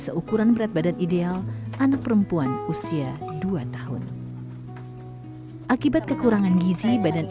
seukuran berat badan ideal anak perempuan usia dua tahun akibat kekurangan gizi badan